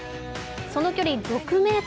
その距離６ｍ！